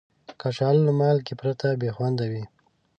کچالو له مالګې پرته بې خوند وي